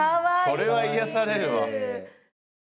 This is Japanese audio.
それは癒やされるわ。